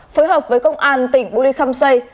phối hợp với công an tỉnh bùi lê khăm xây